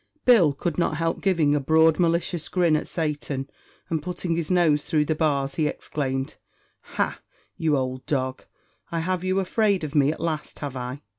Bill could not help giving a broad, malicious grin at Satan, and, putting his nose through the bars, he exclaimed "Ha! you ould dog, I have you afraid of me at last, have I?"